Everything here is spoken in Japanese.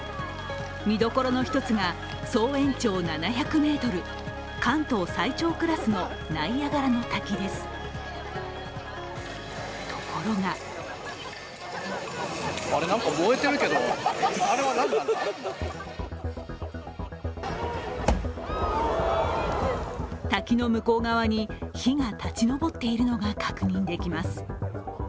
見どころの一つが総延長７００ｍ関東最長クラスのナイアガラの滝です、ところが滝の向こう側に火が立ち上っているのが確認できます。